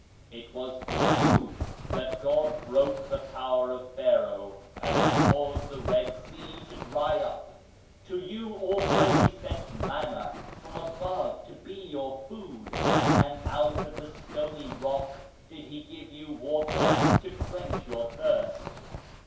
" It was for you that God broke the power of Pharoah and caused the Red Sea to dry up ; to you also He sent Manna from above to be your food, and out of the stony rock did He give you water to quench your thirst.